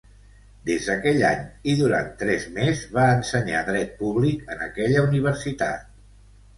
Des d'aquell any, i durant tres més va ensenyar Dret Públic en aquella Universitat.